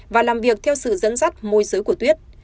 và làm việc theo sự dẫn dắt môi giới của tuyết